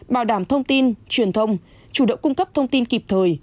bảo đảm thông tin truyền thông chủ động cung cấp thông tin kịp thời